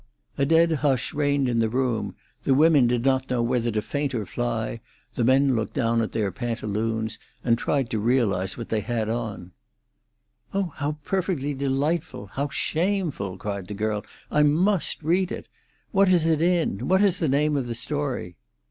A dead hush reigned in the room; the women did not know whether to faint or fly; the men looked down at their pantaloons, and tried to realise what they had on." "Oh, how perfectly delightful! how shameful!" cried the girl. "I must read it. What is it in? What is the name of the story?"